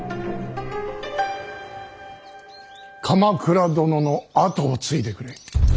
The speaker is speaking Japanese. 鎌倉殿の跡を継いでくれ。